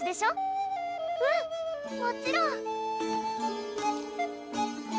うんもちろん。